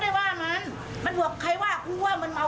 แล้วเขาว่ามันไรว่าอย่างไรบ้าง